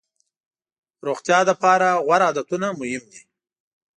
روغتیا لپاره غوره عادتونه مهم دي.